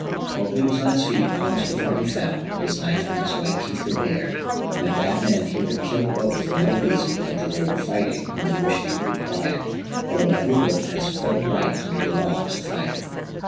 Mowgli was on his feet almost before he fell, his knife and his white teeth were bared, and at that minute he would have killed both for no reason but that they were fighting when he wished them to be quiet, although every wolf has full right under the Law to fight.